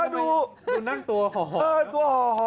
ดูนั่งตัวห่อ